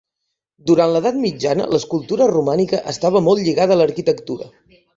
Durant l'edat mitjana l'escultura romànica estava molt lligada a l'arquitectura.